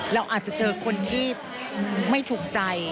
เราอาจจะเจอคนที่ไม่ถูกใจ